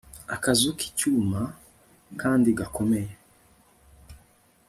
akazu k'icyuma kandi gakomeye